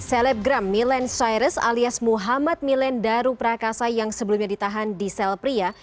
selebgram milen cyrus alias muhammad milen daru prakasa yang sebelumnya ditahan di sel pria